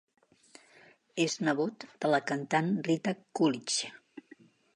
És nebot de la cantant Rita Coolidge.